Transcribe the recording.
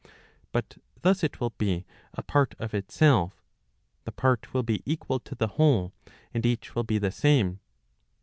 But thus it will be a part of itself, the part will be equal to the whole, and each will be the same.